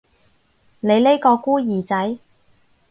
你呢個孤兒仔